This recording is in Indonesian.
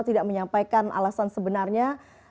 tidak menyampaikan alasan sebenarnya